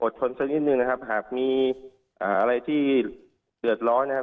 ทนสักนิดนึงนะครับหากมีอะไรที่เดือดร้อนนะครับ